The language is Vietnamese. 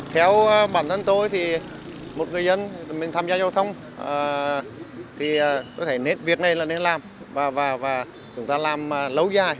theo bản thân tôi thì một người dân mình tham gia giao thông thì tôi thấy việc này là nên làm và chúng ta làm lâu dài